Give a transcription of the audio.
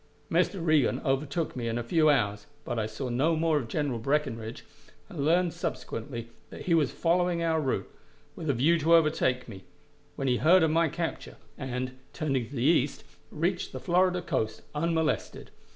Mr. Reagan overtook me in a few hours, but I saw no more of General Breckinridge, and learned subsequently that he was following our route, with a view to overtake me, when he heard of my capture, and, turning to the east, reached the Florida coast unmolested.